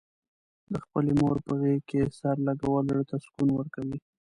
د خپلې مور په غېږه کې سر لږول، زړه ته سکون ورکوي.